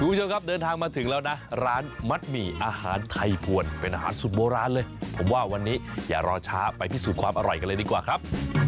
คุณผู้ชมครับเดินทางมาถึงแล้วนะร้านมัดหมี่อาหารไทยพวนเป็นอาหารสูตรโบราณเลยผมว่าวันนี้อย่ารอช้าไปพิสูจน์ความอร่อยกันเลยดีกว่าครับ